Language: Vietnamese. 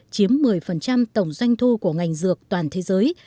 chiếm một mươi tổng doanh thu của ngành dược toàn thế giới